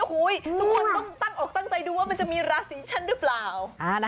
ทุกคนต้องตั้งอกตั้งใจดูว่ามันจะมีราศีฉันหรือเปล่า